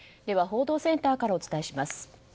報道センターからお伝えします。